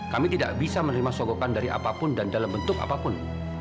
kami tidak bisa menerima sogokan dari apapun dan dalam bentuk apapun